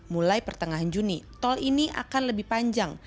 mulai pertengahan juni tol ini akan lebih panjang